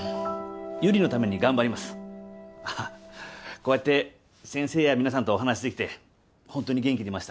こうやって先生や皆さんとお話しできて本当に元気出ました。